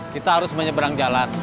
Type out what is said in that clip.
kita harus menyeberang jalan